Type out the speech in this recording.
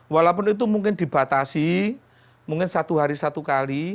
walaupun itu mungkin dibatasi mungkin satu hari satu kali